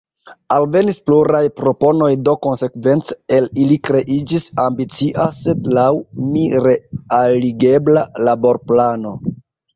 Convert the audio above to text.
Alvenis pluraj proponoj, do konsekvence el ili kreiĝis ambicia, sed laŭ mi realigebla laborplano.